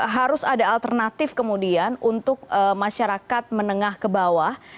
harus ada alternatif kemudian untuk masyarakat menengah ke bawah